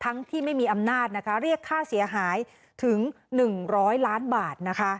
ที่ไม่มีอำนาจเรียกค่าเสียหายถึง๑๐๐ล้านบาท